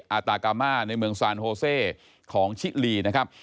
อาตากามาในเมืองซานโฮเซของชิลีนะครับ